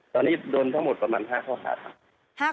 ตอนนี้โดนทั้งหมดประมาณ๕ข้อหาครับ